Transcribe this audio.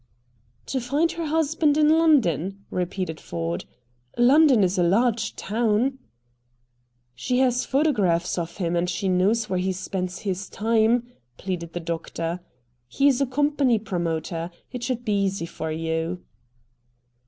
"To find her husband in London?" repeated Ford. "London is a large town." "She has photographs of him and she knows where he spends his time," pleaded the doctor. "He is a company promoter. It should be easy for you."